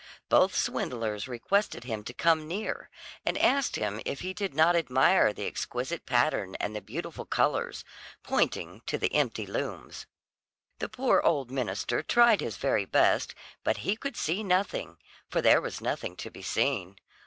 Both swindlers requested him to come near, and asked him if he did not admire the exquisite pattern and the beautiful colours, pointing to the empty looms. The poor old minister tried his very best, but he could see nothing, for there was nothing to be seen.